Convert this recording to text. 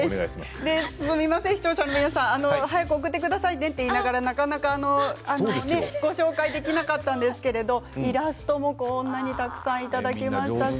早く送ってくださいねと言いながらなかなかご紹介できなかったんですけれどイラストもこんなにたくさんいただきました。